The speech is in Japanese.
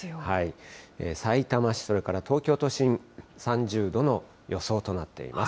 さいたま市、それから東京都心、３０度の予想となっています。